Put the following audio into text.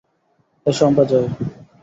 এসো আমরা যাই!